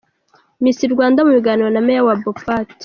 Miss Rwanda mu biganiro na Mayor wa Boppat.